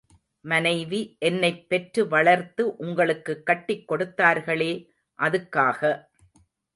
மனைவி என்னைப் பெற்று வளர்த்து உங்களுக்குக் கட்டிக் கொடுத்தார்களே அதுக்காக.